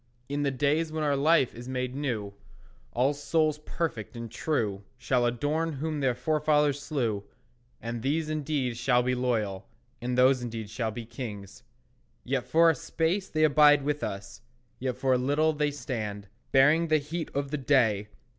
In the days when our life is made new, All souls perfect and true Shall adore whom their forefathers slew; And these indeed shall be loyal, And those indeed shall be kings. Yet for a space they abide with us, Yet for a little they stand, Bearing the heat of the day.